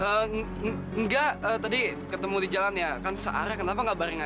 eee enggak tadi ketemu di jalan ya kan searah kenapa nggak bareng aja